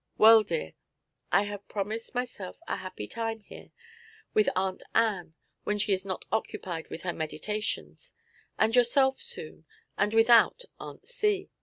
Well, dear, I have promised myself a happy time here with Aunt Ann when she is not occupied with her meditations, and yourself soon, and without Aunt C.